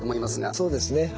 そうですね